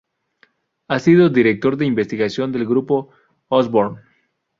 Ha sido Director de Investigación del Grupo Osborne.